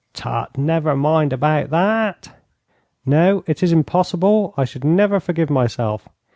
'Tut, never mind about that.' 'No, it is impossible. I should never forgive myself.'